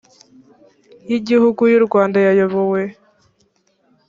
y igihugu y u rwanda yayoboye